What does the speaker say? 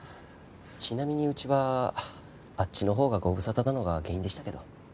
ちなみにうちはあっちのほうがご無沙汰なのが原因でしたけど。